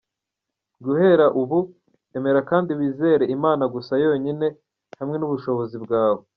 Guhera ubu emera kandi wizere Imana gusa yonyine hamwe n’ubushobozi bwawe.